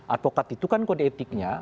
advokat itu kan kalau di etiknya